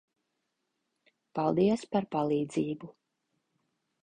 Paldies par palīdzību.